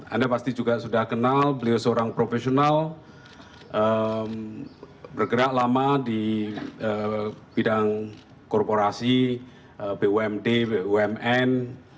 anda pasti juga sudah kenal beliau seorang profesional bergerak lama di bidang korporasi bumd bumn